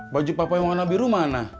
baju papa yang warna biru mana